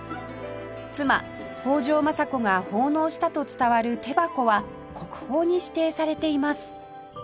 妻北条政子が奉納したと伝わる手箱は国宝に指定されています